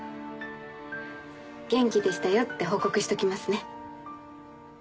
「元気でしたよ」って報告しときますね。